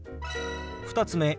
２つ目。